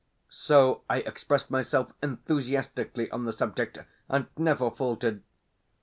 So I expressed myself enthusiastically on the subject and never faltered.